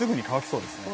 そうですね。